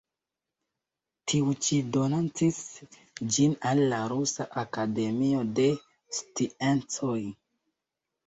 Tiu ĉi donacis ĝin al la Rusa Akademio de Sciencoj.